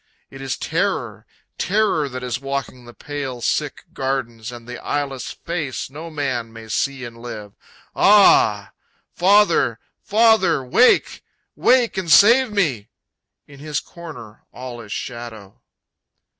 It is terror, terror that is walking the pale sick gardens And the eyeless face no man may see and live! Ah h h h h! Father, Father, wake! wake and save me! In his corner all is shadow.